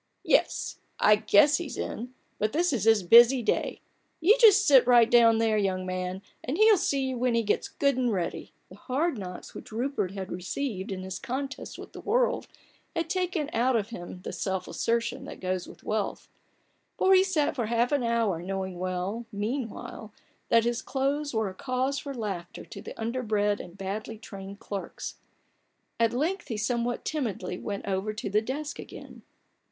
" Yes, I guess he's in, but this is his busy day. You just sit right down there, young man, and he'll see you when he gets good and ready." The hard knocks which Rupert had received in his contest with the world had taken out of him the self assertion that goes with wealth : so he sat for half an hour, knowing well, mean while, that his clothes were a cause for laughter to the underbred and badly trained clerks. At length he somewhat timidly went over to the desk again.